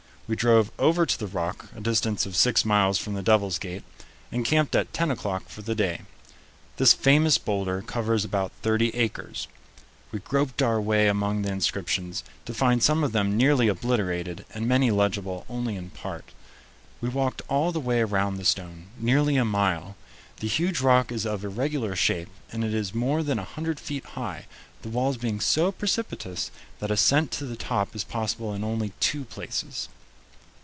We drove over to the Rock, a distance of six miles from the Devil's Gate, and camped at ten o'clock for the day. This famous boulder covers about thirty acres. We groped our way among the inscriptions, to find some of them nearly obliterated and many legible only in part. We walked all the way around the stone, nearly a mile. The huge rock is of irregular shape, and it is more than a hundred feet high, the walls being so precipitous that ascent to the top is possible in only two places.